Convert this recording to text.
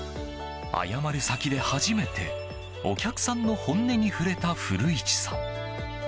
謝る先で初めてお客さんの本音に触れた古市さん。